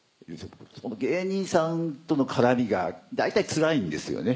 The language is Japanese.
芸人さんとの絡みが大体つらいんですよね。